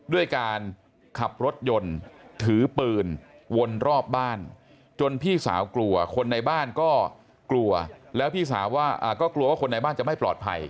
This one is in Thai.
ด้วยการขับรถยนต์ถือปืนวนรอบบ้านจนพี่สาวกลัวคนในบ้านก็กลัวแล้วพี่สาวก็กลัวว่าคนในบ้านจะไม่ปลอดภัย